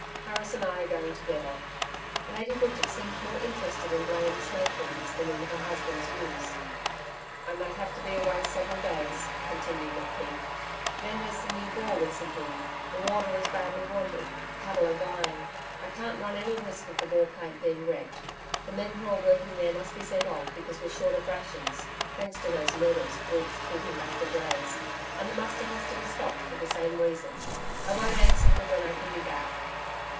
Harris and I are going together.' Lady Bridge seemed more interested in blowing smoke rings than in her husband's news. 'I may have to be away several days,' continued McKeith. 'Then there's the new bore we're sinking the water is badly wanted cattle are dying I can't run any risk of the bore plant being wrecked. The men who are working there must be sent off because we're short of rations thanks to those murderous brutes keeping back the drays and the muster has to be stopped for the same reason. I won't answer for when I can be back.'